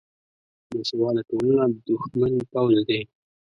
بیسواده ټولنه د دښمن پوځ دی